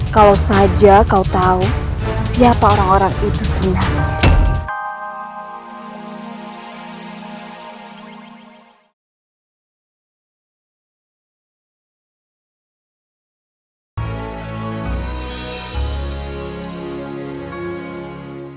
kalau saja kau tahu siapa orang orang itu sebenarnya